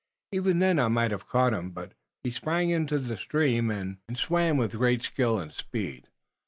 Even then I might have caught him, but he sprang into the stream and swam with great skill and speed.